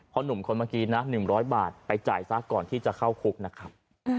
หนุ่มคนเมื่อกี้นะ๑๐๐บาทไปจ่ายซะก่อนที่จะเข้าคุกนะครับ